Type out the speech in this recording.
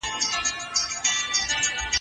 الله تعالی به مو په نعمتونو کي کمی ونکړي.